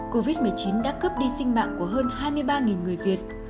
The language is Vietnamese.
covid một mươi chín đã cướp đi sinh mạng của hơn hai mươi ba người việt